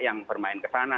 yang bermain kesana